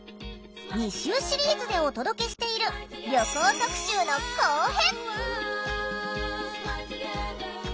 ２週シリーズでお届けしている旅行特集の後編！